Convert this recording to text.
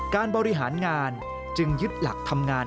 การบริหารงานจึงยึดหลักทำงาน